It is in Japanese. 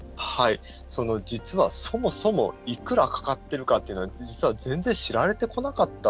実は、そもそもいくらかかってるかというのは実は全然、知られてこなかった。